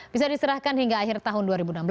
bisa diserahkan hingga akhir tahun dua ribu enam belas